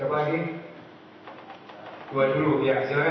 apa resisnya dan daerahnya harus disesuaikan